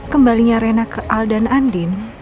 kembalinya rena ke al dan adin